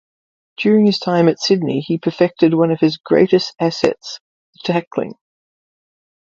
During his time at Sydney he perfected one of his greatest assets, his tackling.